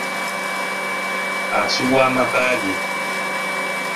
Asubwa amaka ge.